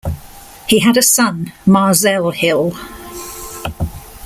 He had a son, Marzell Hill.